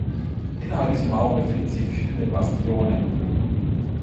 Innerhalb dieser Mauern befinden sich verschiedene Bastionen.